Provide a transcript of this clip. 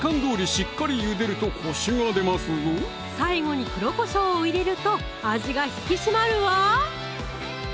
しっかりゆでるとコシが出ますぞ最後に黒こしょうを入れると味が引き締まるわ！